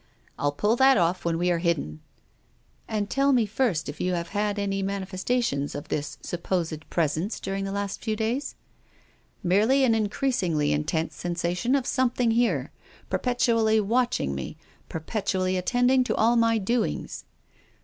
" I'll pull that off when we arc hidden." "And tell me first if you have had any mani festation of this supposed presence during the last few days? " "Merely an increasingly intense sensation of something here, perpetually watching mc, per petually attending to all my doings."